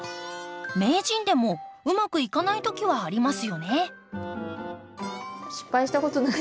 名人でもうまくいかない時はありますよね。